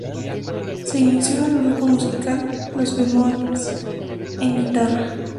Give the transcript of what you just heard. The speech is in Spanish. Se inició en el grupo musical Los Bemoles, en guitarra.